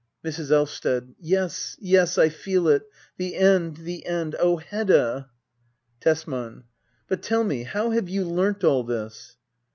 Mrs. Elvsted. Yes, yes, I feel it The end ! The end ! Oh, Hedda ! Tesman. But tell me, how have you learnt all this